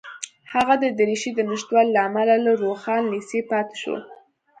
هغه د دریشۍ د نشتوالي له امله له روښان لېسې پاتې شو